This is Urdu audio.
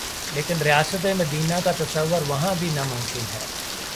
لیکن ریاست مدینہ کا تصور وہاں بھی ناممکن ہے۔